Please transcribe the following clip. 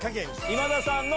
今田さん